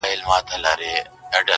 ته بچی د بد نصیبو د وطن یې!!